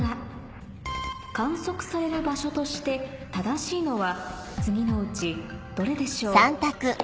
観測される場所として正しいのは次のうちどれでしょう？